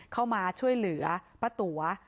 เข้ามาช่วยเหลือป้าตั๋ว